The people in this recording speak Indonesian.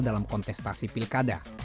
dalam kontestasi pilkada